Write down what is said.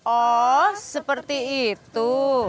oh seperti itu